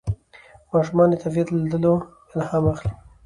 ماشومان د طبیعت له لیدلو الهام اخلي